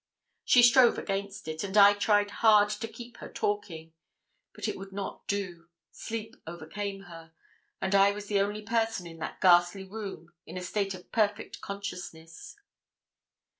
She strove against it, and I tried hard to keep her talking; but it would not do sleep overcame her; and I was the only person in that ghastly room in a state of perfect consciousness.